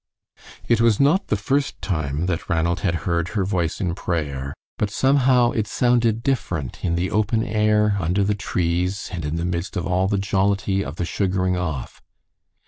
It was not the first time that Ranald had heard her voice in prayer, but somehow it sounded different in the open air under the trees and in the midst of all the jollity of the sugaring off.